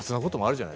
じゃない